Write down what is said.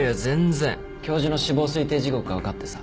教授の死亡推定時刻が分かってさ。